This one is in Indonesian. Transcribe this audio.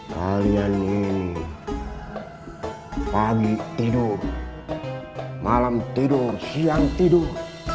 kalian ini pagi tidur malam tidur siang tidur